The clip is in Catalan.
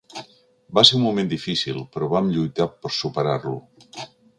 Va ser un moment difícil, però vam lluitar per superar-lo.